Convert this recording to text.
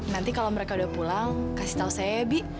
nanti kalau mereka udah pulang kasih tahu saya ya bi